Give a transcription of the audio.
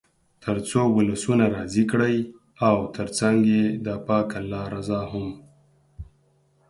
تر څو ولسونه راضي کړئ او تر څنګ یې د پاک الله رضا هم.